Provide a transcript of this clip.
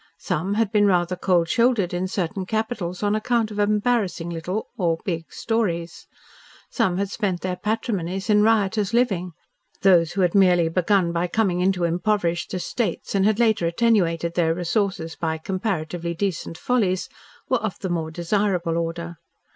Some had been rather cold shouldered in certain capitals on account of embarrassing little, or big, stories. Some had spent their patrimonies in riotous living. Those who had merely begun by coming into impoverished estates, and had later attenuated their resources by comparatively decent follies, were of the more desirable order.